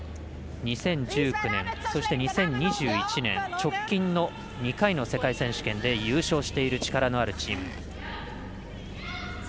２０１９年、そして２０２１年直近の２回の世界選手権で優勝している力のあるチーム。